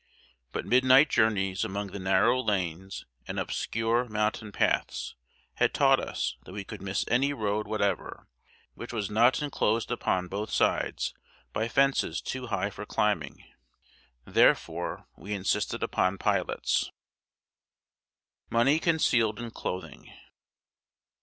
But midnight journeys among the narrow lanes and obscure mountain paths had taught us that we could miss any road whatever which was not inclosed upon both sides by fences too high for climbing. Therefore, we insisted upon pilots. [Sidenote: MONEY CONCEALED IN CLOTHING.